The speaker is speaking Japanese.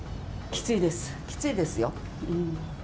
きついです、きついですよ。